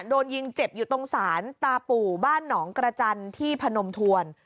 โดนยิงเจ็บอยู่ตรงศาลตาปู่บ้านหนองกระจันทร์ที่พนมทวน